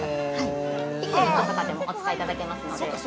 ピクニックとかでもお使いいただけますので。